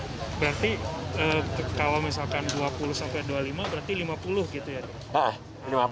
berarti kalau misalkan dua puluh sampai dua puluh lima berarti lima puluh gitu ya